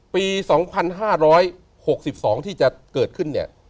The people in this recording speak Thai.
ปี๒๕๖๒ที่จะเกิดขึ้น